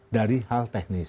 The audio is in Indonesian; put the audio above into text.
dari hal teknis